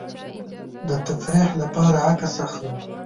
زه د تفریح لپاره عکس اخلم.